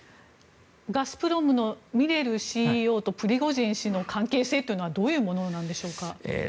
ガスプロムのミレルＣＥＯとプリゴジン氏の関係性はどういうものなんでしょうか。